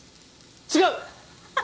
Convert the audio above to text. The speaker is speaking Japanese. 違う！